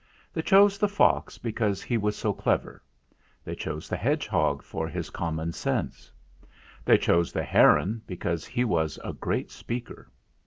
They chose the fox, because he was so clever. They chose the hedgehog for his common sense. They chose the heron, because he was a great speaker.